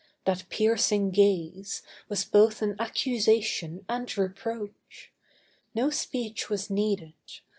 That piercing gaze Was both an accusation and reproach. No speech was needed.